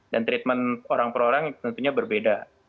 dan treatment orang per orang tentunya berbeda